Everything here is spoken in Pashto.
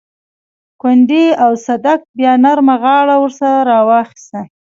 کونډې او صدک بيا نرمه غاړه ورسره راواخيسته.